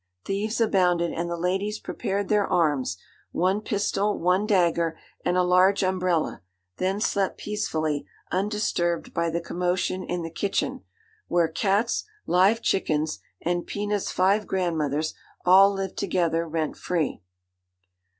Thieves abounded, and the ladies prepared their arms one pistol, one dagger, and a large umbrella then slept peacefully, undisturbed by the commotion in the kitchen, where cats, live chickens, and Pina's five grandmothers, all lived together, rent free.